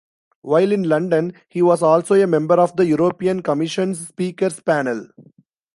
While in London he was also a member of the European Commission's Speakers Panel.